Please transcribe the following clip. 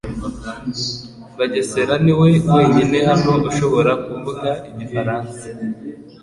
Bagesera niwe wenyine hano ushobora kuvuga igifaransa